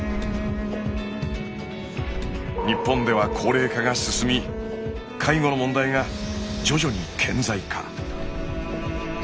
日本では高齢化が進み介護の問題が徐々に顕在化。